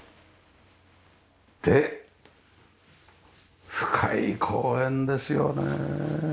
で深い公園ですよね。